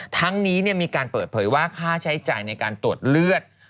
ทั้งนี้มีการเปิดเผยว่าค่าใช้จ่ายในการตรวจเลือด